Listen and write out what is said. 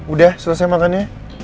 udah selesai makannya